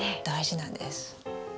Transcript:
大事なんです。